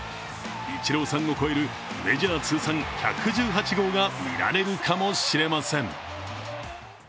イチローさんを超えるメジャー通算１１８号が見られるかもしれません。